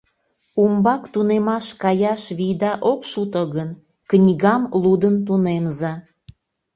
Умбак тунемаш каяш вийда ок шуто гын, книгам лудын тунемза.